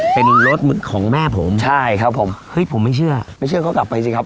เป็นรถของแม่ผมใช่ครับผมเฮ้ยผมไม่เชื่อไม่เชื่อก็กลับไปสิครับ